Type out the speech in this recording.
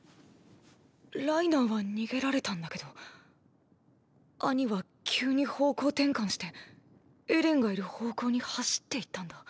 ライナーは逃げられたんだけどアニは急に方向転換してエレンがいる方向に走っていったんだ。